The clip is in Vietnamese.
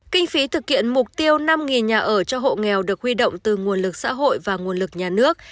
kinh phí thực hiện mục tiêu năm nhà ở cho hộ nghèo được huy động từ nguồn lực xã hội và nguồn lực nhà nước